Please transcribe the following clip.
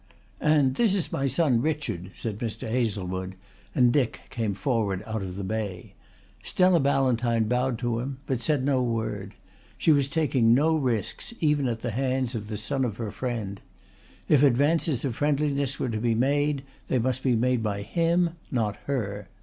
"And this is my son Richard," said Mr. Hazlewood; and Dick came forward out of the bay. Stella Ballantyne bowed to him but said no word. She was taking no risks even at the hands of the son of her friend. If advances of friendliness were to be made they must be made by him, not her.